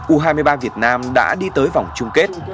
u hai mươi ba việt nam đã đi tới vòng chung kết